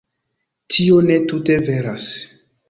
Tio ne tute veras.